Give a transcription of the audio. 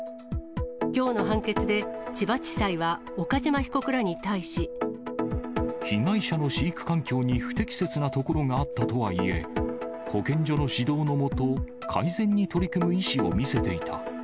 きょうの判決で、被害者の飼育環境に不適切なところがあったとはいえ、保健所の指導のもと、改善に取り組む意思を見せていた。